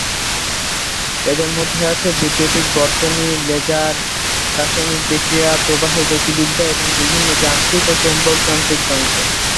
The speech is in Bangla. এদের মধ্যে আছে বৈদ্যুতিক বর্তনী, লেজার, রাসায়নিক বিক্রিয়া, প্রবাহী গতিবিদ্যা, এবং বিভিন্ন যান্ত্রিক ও চৌম্বক-যান্ত্রিক যন্ত্র।